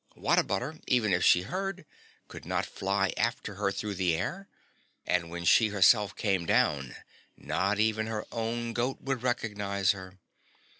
What a butter, even if she heard, could not fly after her through the air, and when she herself came down not even her own goat would recognize her.